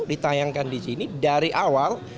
ditayangkan di sini dari awal